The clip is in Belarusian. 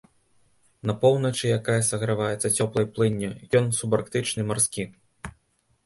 На поўначы, якая саграваецца цёплай плынню, ён субарктычны марскі.